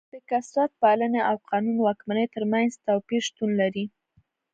د کثرت پالنې او قانون واکمنۍ ترمنځ توپیر شتون لري.